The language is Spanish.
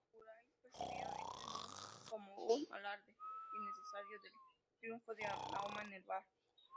Los Quraysh percibieron esto como un alarde innecesario del triunfo de Mahoma en Badr.